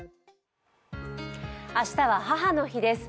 明日は母の日です。